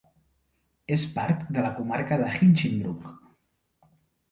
És part de la comarca de Hinchinbrook.